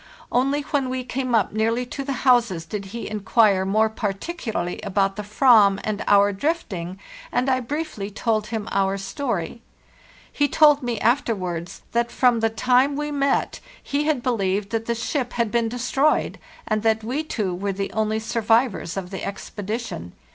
Only when we came up nearly to the houses did he inquire more particularly about the Ayam and our drifting, and I briefly told him our story. He told me afterwards that from the time we met he had believed that the ship had been destroyed, and that we two were the only survivors of the expedi tion.